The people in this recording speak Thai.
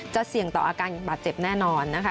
เสี่ยงต่ออาการบาดเจ็บแน่นอนนะคะ